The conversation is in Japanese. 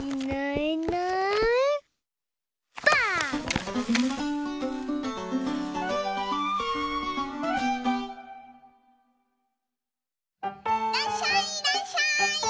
いらっしゃいいらっしゃい！